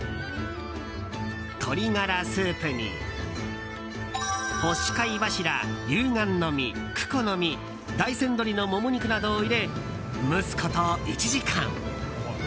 鶏ガラスープに干し貝柱リュウガンの実、クコの実大山鶏のモモ肉などを入れ蒸すこと１時間。